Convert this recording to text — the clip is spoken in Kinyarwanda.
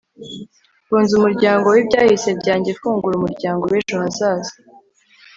mfunze umuryango w'ibyahise byanjye fungura umuryango w'ejo hazaza